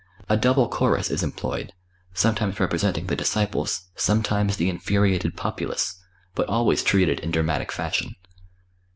A double chorus is employed, sometimes representing the Disciples, sometimes the infuriated populace; but always treated in dramatic fashion.